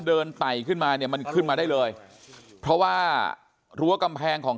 ไต่ขึ้นมาเนี่ยมันขึ้นมาได้เลยเพราะว่ารั้วกำแพงของ